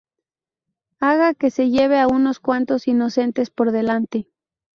haga que se lleve a unos cuantos inocentes por delante